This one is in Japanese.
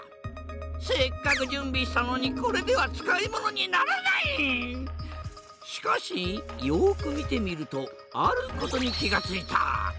せっかく準備したのにこれでは使い物にならない！しかしよく見てみるとあることに気が付いた。